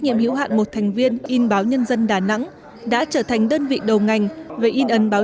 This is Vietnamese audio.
nhiệm hữu hạn một thành viên in báo nhân dân đà nẵng đã trở thành đơn vị đầu ngành về in ấn báo